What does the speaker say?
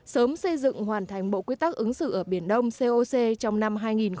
sớm xây dựng hoàn thành bộ quy tắc ứng xử ở biển đông coc trong năm hai nghìn hai mươi